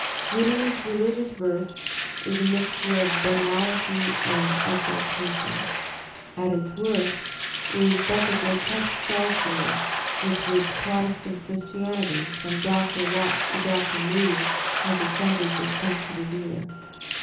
Whittier's religious verse is a mixture of banality and exal tation. At its worst it is but the grotesque psaltery with » which Protestant Christianity from Doctor Watts to Doctor ' Moody has offended the sensitive ear.